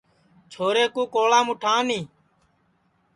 چھورے کُو کولام اُٹھانی